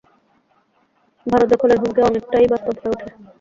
ভারত দখলের হুমকি অনেকটাই বাস্তব হয়ে উঠে।